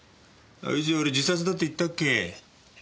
イチ俺自殺だって言ったっけ？